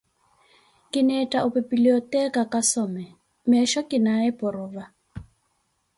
kineettha opipilioteeka kasome, meesho kinaaye porova.